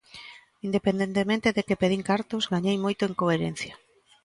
Independentemente de que perdín cartos, gañei moito en coherencia.